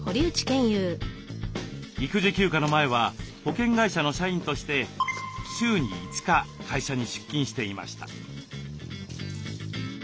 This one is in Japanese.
育児休暇の前は保険会社の社員として週に５日会社に出勤していました。